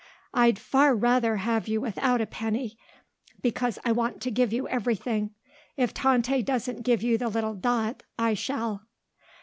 "I'd far rather have you without a penny because I want to give you everything. If Tante doesn't give you the little dot, I shall."